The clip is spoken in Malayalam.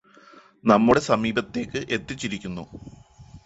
നമ്മുടെ സമീപത്തേക്ക് എത്തിച്ചിരിക്കുന്നു